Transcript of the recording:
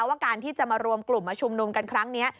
ว่าการที่จะมารวมกลุ่มมาชุมนุมกันครั้งนี้